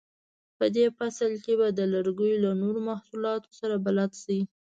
په دې فصل کې به د لرګیو له نورو محصولاتو سره بلد شئ.